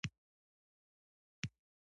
تر ښار لږ هاخوا یو رومي تیاتر دی.